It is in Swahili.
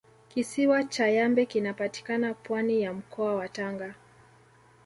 kisiwa cha yambe kinapatikana pwani ya mkoa wa tanga